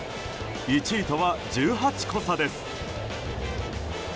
１位とは１８個差です。